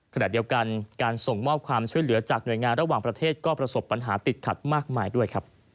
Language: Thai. ขณะเดียวกันการส่งมอบความช่วยเหลือจากหน่วยงานระหว่างประเทศก็ประสบปัญหาติดขัดมากมายด้วยครับ